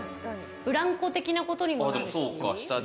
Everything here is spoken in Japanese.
ブランコ的なことにもなるし。